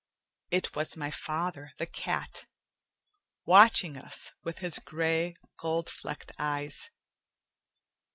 It was my father, the cat, watching us with his gray, gold flecked eyes.